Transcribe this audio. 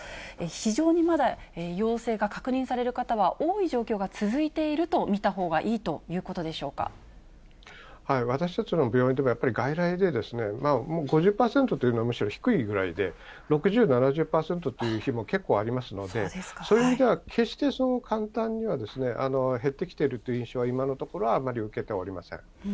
非常にまだ陽性が確認される方は多い状況が続いていると見たほう私たちの病院でも、やっぱり外来で、５０％というのはむしろ低いぐらいで、６０、７０％という日も結構ありますので、そういう意味では決して簡単には減ってきているという印象は今のところはあまり受けてはおりません。